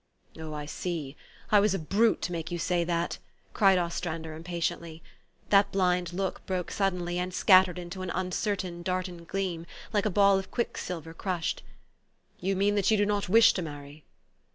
1 'Oh, I see! I was a brute to make you say that," cried Ostrander impatiently. That blind look broke suddenly, and scattered into an uncer tain, darting gleam, like a ball of quicksilver crushed. "You mean that you do not wish to marry?"